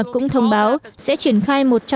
cũng thông báo sẽ triển khai